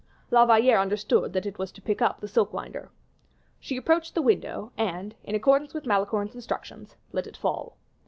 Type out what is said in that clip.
La Valliere understood that it was to pick up the silk winder. She approached the window, and, in accordance with Malicorne's instructions, let it fall.